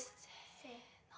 せの。